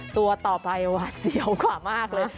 ตัวต่อไปหวาดเสียวกว่ามากเลย